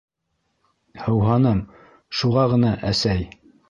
Һыуһаным, шуға ғына, әсәй.